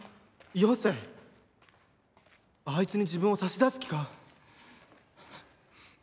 よせあいつに自分を差し出す気か？